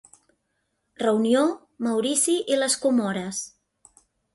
Reunió, Maurici i les Comores.